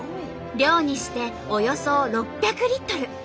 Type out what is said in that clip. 量にしておよそ６００リットル。